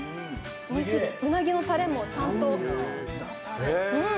うなぎのタレもちゃんとうん！